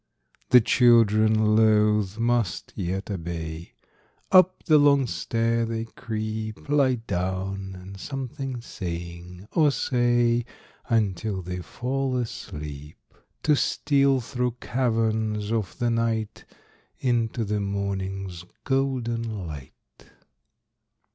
The children, loath, must yet obey; Up the long stair they creep; Lie down, and something sing or say Until they fall asleep, To steal through caverns of the night Into the morning's golden light.